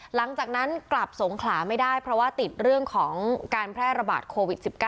หลังจากนั้นกลับสงขลาไม่ได้เพราะว่าติดเรื่องของการแพร่ระบาดโควิด๑๙